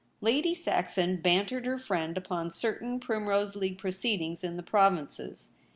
Lady Saxon bantered her friend upon cer tain Primrose League proceedings In the provinces.